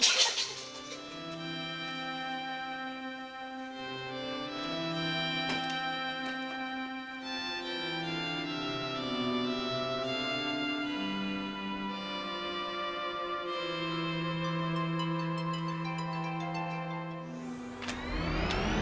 pertanyaan kedua apa yang dikasih panggilan